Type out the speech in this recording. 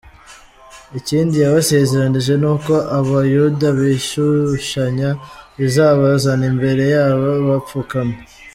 Ikindi yabasezeranije ni uko abayuda bishushanya izabazana imbere yabo bapfukamye.